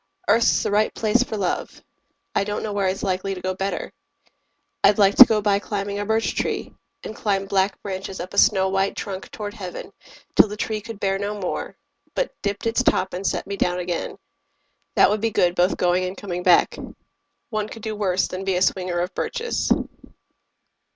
Earth's the right place for love: I don't know where it's likely to go better. I'd like to go by climbing a birch tree, And climb black branches up a snow white trunk Toward heaven, till the tree could bear no more, But dipped its top and set me down again. That would be good both going and coming back. One could do worse than be a swinger of birches.